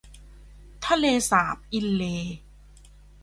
ทะเลสาบอินเลย์